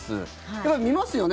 やっぱり見ますよね。